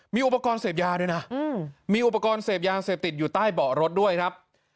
มีอุปกรณ์เสพยาด้วยนะมีอุปกรณ์เสพยาเสพติดอยู่ใต้เบาะรถด้วยครับ